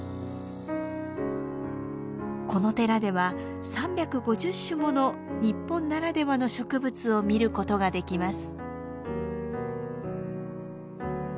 この寺では３５０種もの日本ならではの植物を見ることができます。